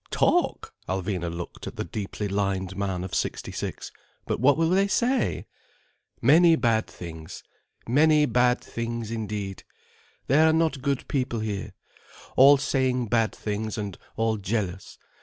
"Talk!" Alvina looked at the deeply lined man of sixty six, "But what will they say?" "Many bad things. Many bad things indeed. They are not good people here. All saying bad things, and all jealous.